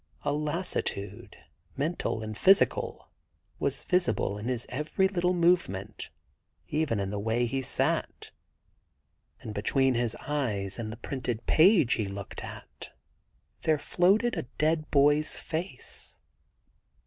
A lassitude, mental and physical, was visible in his every little movement, even in the way he sat ; 92 THE GARDEN GOD and between his eyes and the printed page he looked at, there floated a dead boy's face.